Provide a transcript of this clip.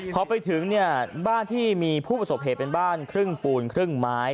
พอไปถึงเนี่ยบ้านที่มีผู้ประสบเหตุเป็นบ้านครึ่งปูนครึ่งไม้